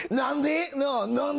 何で？